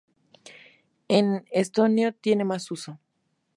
En estonio tiene más uso.